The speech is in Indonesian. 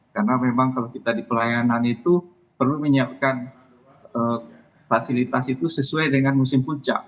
karena memang kalau kita di pelayanan itu perlu menyiapkan fasilitas itu sesuai dengan musim puncak